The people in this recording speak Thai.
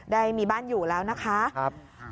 ได้มีบ้านอยู่แล้วนะคะ